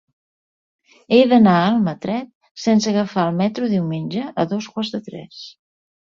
He d'anar a Almatret sense agafar el metro diumenge a dos quarts de tres.